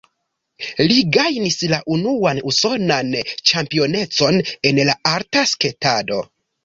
Li gajnis la unuan usonan ĉampionecon en la arta sketado.